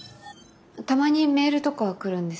たまにメールとかは来るんですけど。